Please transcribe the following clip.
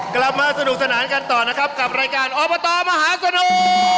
กลับมาสนุกสนานกันต่อนะครับกับรายการอบตมหาสนุก